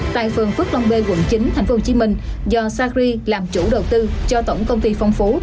tại phường phước long b quận chín tp hcm do sacri làm chủ đầu tư cho tổng công ty phong phú